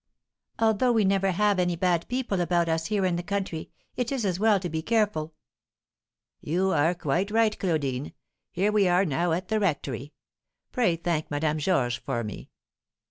"Although we never have any bad people about us here in the country, it is as well to be careful." "You are quite right, Claudine. Here we are now at the rectory. Pray thank Madame Georges for me."